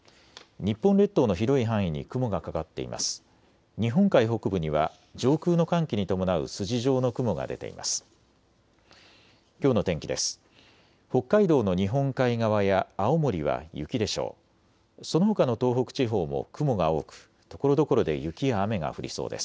日本海北部には上空の寒気に伴う筋状の雲が出ています。